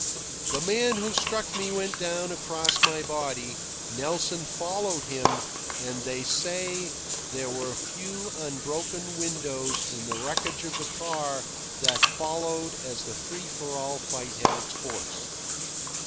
The man who struck me went down across my body, Nelson followed him, and they say there were few unbroken windows in the wreckage of the car that followed as the free for all fight had its course.